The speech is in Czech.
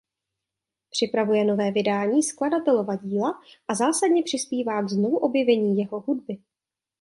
Připravuje nové vydání skladatelova díla a zásadně přispívá k znovuobjevení jeho hudby.